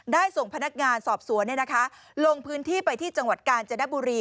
ส่งพนักงานสอบสวนลงพื้นที่ไปที่จังหวัดกาญจนบุรี